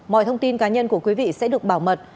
mọi thông tin cá nhân của quý vị sẽ được bảo mật